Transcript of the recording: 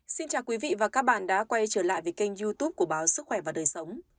xin chào quý vị và các bạn đã quay trở lại với kênh youtube của báo sức khỏe và đời sống